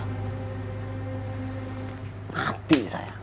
si uja nggak ngasih pinjeman dua juta